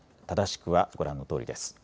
正しくはご覧のとおりです。